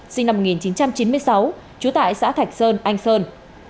sinh năm một nghìn chín trăm chín mươi sáu trú tại xã thạch sơn anh sơn